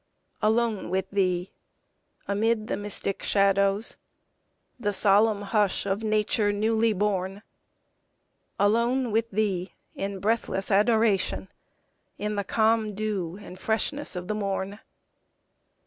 Alone with Thee, amid the mystic shadows, The solemn hush of nature newly born; Alone with Thee in breathless adoration, In the calm dew and freshness of the morn.